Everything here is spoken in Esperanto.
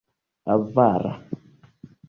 Avara.